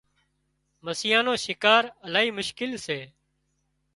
مسيان نوشڪار الاهي مشڪل سي